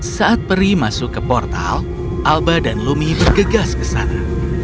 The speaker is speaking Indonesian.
saat peri masuk ke portal alba dan lumi bergegas ke sana